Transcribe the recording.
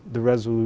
phát triển bởi